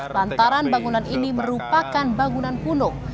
lantaran bangunan ini merupakan bangunan kuno